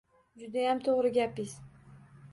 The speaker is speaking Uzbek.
Judayam to‘g‘ri gapiz.